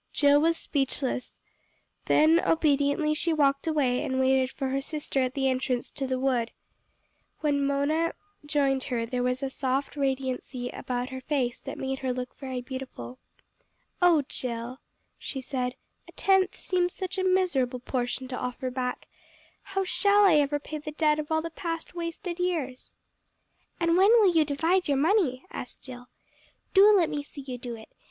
Jill was speechless. Then obediently she walked away, and waited for her sister at the entrance to the wood. When Mona joined her there was a soft radiancy about her face that made her look very beautiful. "Oh, Jill," she said, "a tenth seems such a miserable portion to offer back. How shall I ever pay the debt of all the past wasted years?" "And when will you divide your money?" asked Jill. "Do let me see you do it.